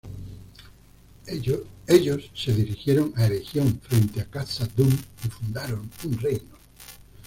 Ellos se dirigieron a Eregion, frente a Khazad-dûm y fundaron un reino.